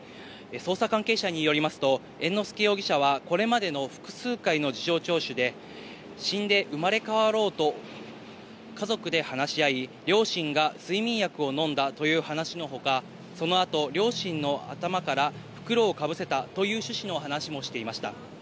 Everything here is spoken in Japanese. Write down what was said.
捜査関係者によりますと、猿之助容疑者はこれまでの複数回の事情聴取で、死んで生まれ変わろうと家族で話し合い、両親が睡眠薬を飲んだという話の他、その後、両親の頭から袋をかぶせたという趣旨の話もしていました。